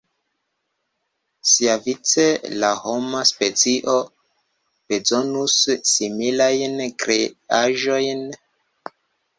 Siavice, la homa specio bezonus similajn kreaĵojn.